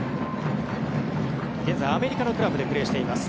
現在、アメリカのクラブでプレーしています。